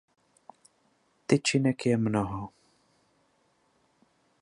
Tyčinek je mnoho.